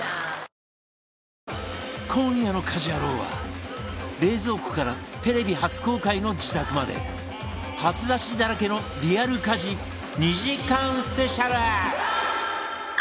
今夜の『家事ヤロウ！！！』は冷蔵庫からテレビ初公開の自宅まで初出しだらけのリアル家事２時間スペシャル